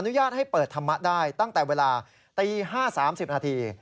ญาตให้เปิดธรรมะได้ตั้งแต่เวลาตี๕๓๐นาที